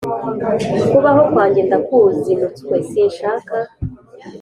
Kubaho kwanjye ndakuzinutswe sinshaka